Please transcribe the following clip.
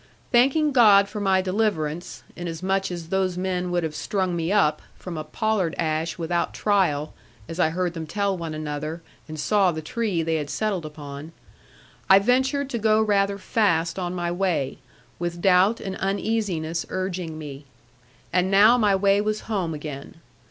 Thanking God for my deliverance (inasmuch as those men would have strung me up, from a pollard ash without trial, as I heard them tell one another, and saw the tree they had settled upon), I ventured to go rather fast on my way, with doubt and uneasiness urging me. And now my way was home again.